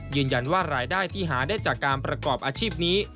ยืนยันว่ารายได้ที่หาได้จากการประกอบอาชีพนี้